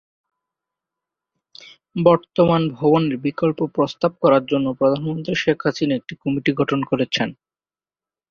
বর্তমান ভবনের বিকল্প প্রস্তাব করার জন্য প্রধানমন্ত্রী শেখ হাসিনা একটি কমিটি গঠন করেছেন।